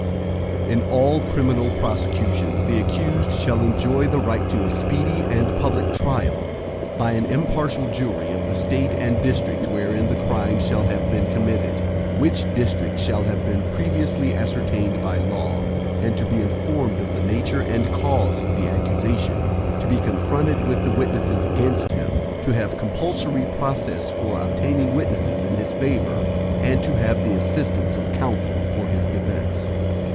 VI In all criminal prosecutions, the accused shall enjoy the right to a speedy and public trial, by an impartial jury of the State and district wherein the crime shall have been committed, which district shall have been previously ascertained by law, and to be informed of the nature and cause of the accusation; to be confronted with the witnesses against him; to have compulsory process for obtaining witnesses in his favor, and to have the assistance of counsel for his defense.